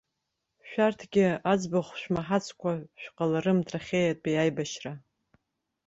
Шәарҭгьы аӡбахә шәмаҳацкәа шәҟаларым трахьеиатәи аибашьра.